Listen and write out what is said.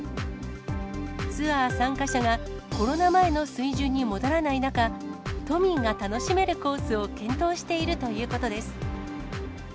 ツアー参加者がコロナ前の水準に戻らない中、都民が楽しめるコースを検討しているということです。